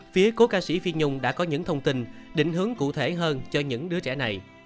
phía cố ca sĩ phi nhung đã có những thông tin định hướng cụ thể hơn cho những đứa trẻ này